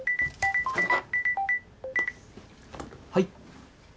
はい。